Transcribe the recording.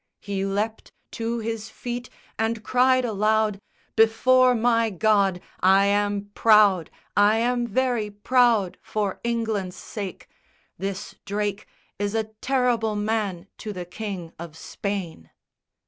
He leapt To his feet and cried aloud, "Before my God, I am proud, I am very proud for England's sake! This Drake is a terrible man to the King of Spain."